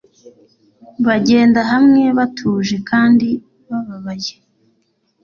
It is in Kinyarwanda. bagenda hamwe batuje kandi bababaye